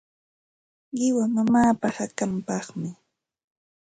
Qiwa mamaapa hakanpaqmi.